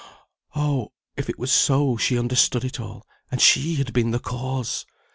Oh! if it was so, she understood it all, and she had been the cause!